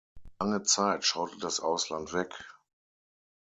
Lange Zeit schaute das Ausland weg.